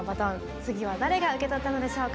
次は誰が受け取ったのでしょうか。